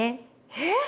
えっ？